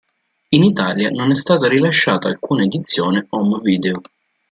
In Italia non è stata rilasciata alcuna edizione home video.